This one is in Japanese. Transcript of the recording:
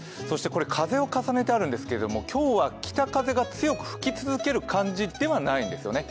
そして風を重ねてあるんですけれども、今日は北風が強く吹き続ける感じではないんです。